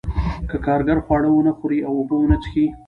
که کارګر خواړه ونه خوري او اوبه ونه څښي